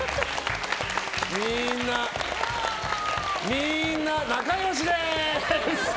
みんな仲良しです！